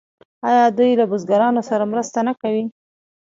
آیا دوی له بزګرانو سره مرسته نه کوي؟